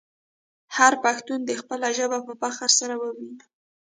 هر پښتون دې خپله ژبه په فخر سره وویې.